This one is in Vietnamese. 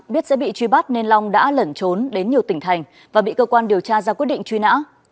biết sẽ bị truy bắt nên long đã lẩn trốn đến nhiều tỉnh thành và bị cơ quan điều tra ra quyết định truy nã